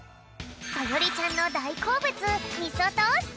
そよりちゃんのだいこうぶつみそトースト。